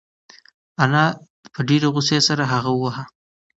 انا په ډېرې غوسې سره هغه وواهه.